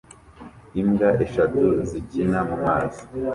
Imbwa eshatu zikina mumazi